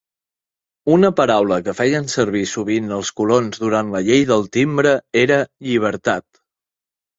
Una paraula que feien servir sovint els colons durant la llei del Timbre era "llibertat".